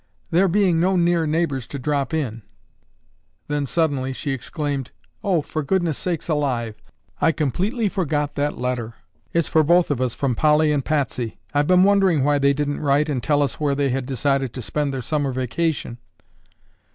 "There being no near neighbors to drop in." Then suddenly she exclaimed, "Oh, for goodness sakes alive, I completely forgot that letter. It's for both of us from Polly and Patsy. I've been wondering why they didn't write and tell us where they had decided to spend their summer vacation."